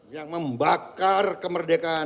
yang membakar kemerdekaan